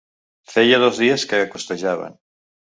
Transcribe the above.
Feia dos dies que costejaven.